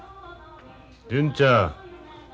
純ちゃん。